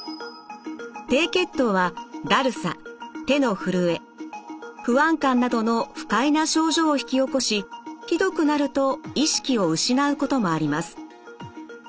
低血糖はだるさ手のふるえ不安感などの不快な症状を引き起こしひどくなると意識を失うこともあります。